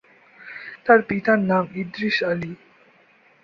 তার পিতার নাম ইদ্রিস আলী।